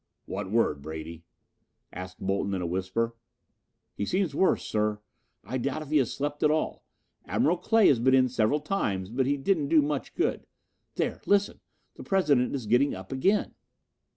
"What word, Brady?" asked Bolton in a whisper. "He seems worse, sir. I doubt if he has slept at all. Admiral Clay has been in several times, but he didn't do much good. There, listen! The President is getting up again."